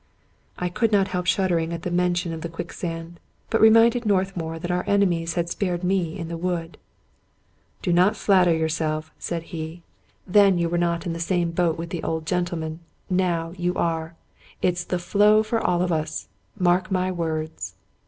I could not help shuddering at the mention of the quick sand, but reminded Northmour that our enemies had spared me in the wood. ." Do not flatter yourself," said he. " Then you were not 190 Robert Louis Stevenson in the same boat with the old gentleman ; now you are. It's the floe for all of us, mark my words."